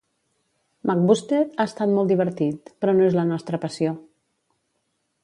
McBusted ha estat molt divertit, però no és la nostra passió.